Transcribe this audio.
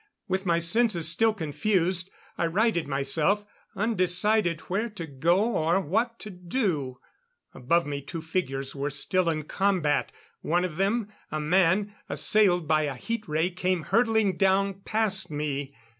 With my senses still confused, I righted myself, undecided where to go or what to do. Above me two figures were still in combat. One of them a man assailed by a heat ray, came hurtling down past me.